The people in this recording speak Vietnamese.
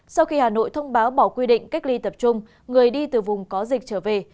sau khi hà nội thông báo bỏ quy định cách ly tập trung người đi từ vùng có dịch trở về